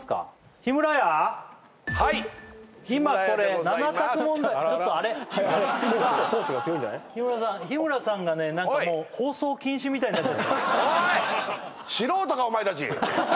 日村さん日村さんがね何かもう放送禁止みたいになっちゃってるおい！